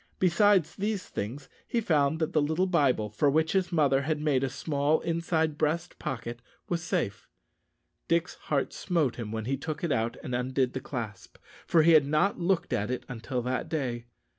Besides these things, he found that the little Bible, for which his mother had made a small inside breast pocket, was safe. Dick's heart smote him when he took it out and undid the clasp, for he had not looked at it until that day.